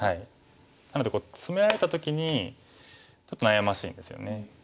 なのでツメられた時にちょっと悩ましいんですよね。